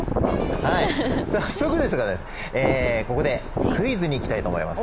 はい早速ですがここでクイズにいきたいと思います。